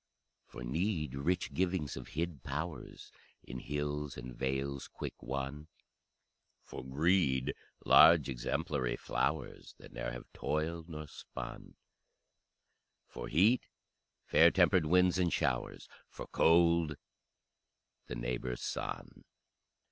For Need rich givings of hid powers In hills and vales quick won, For Greed large exemplary flowers That ne'er have toiled nor spun, For Heat fair tempered winds and showers, For Cold the neighbor sun.